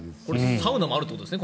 サウナもあるということですね。